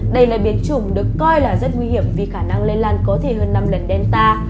đây là biến chủng được coi là rất nguy hiểm vì khả năng lây lan có thể hơn năm lần đen ta